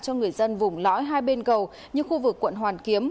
cho người dân vùng lõi hai bên cầu như khu vực quận hoàn kiếm